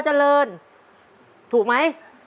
จิตตะสังวโรครับ